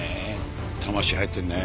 魂入ってるね。